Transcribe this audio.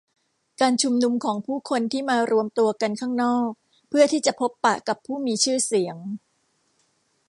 การชุมนุมของผู้คนที่มารวมตัวกันข้างนอกเพื่อที่จะพบปะกับผู้มีชื่อเสียง